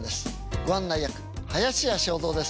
ご案内役林家正蔵です。